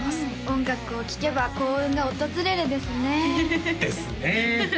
「音楽を聴けば幸運が訪れる」ですねですね